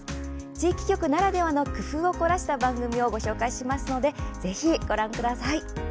地域局ならではの工夫を凝らした番組をご紹介しますのでぜひ、ご覧ください。